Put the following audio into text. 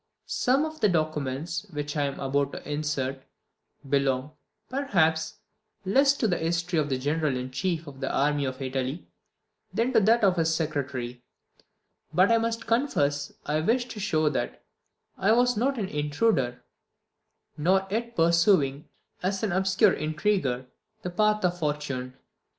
Some of the documents which I am about to insert belong, perhaps, less to the history of the General in Chief of the army of Italy than to that of his secretary; but I must confess I wish to show that I was not an intruder, nor yet pursuing, as an obscure intriguer, the path of fortune.